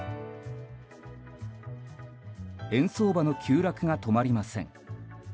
円相場の急落が止まりません。